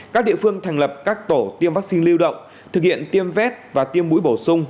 các địa phương thành lập các tổ tiêm vaccine lưu động thực hiện tiêm vét và tiêm mũi bổ sung